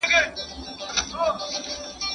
¬ بې نصيبه خواړه گران دي.